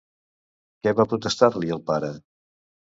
Què va protestar-li el pare?